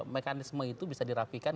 mekanisme itu bisa dirapikan